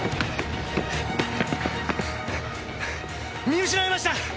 見失いました！